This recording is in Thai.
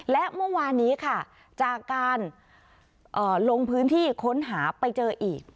และเมื่อวานนี้ค่ะจากการลงพื้นที่ค้นหาไปเจออีก